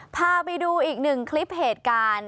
พาไปดูอีกหนึ่งคลิปเหตุการณ์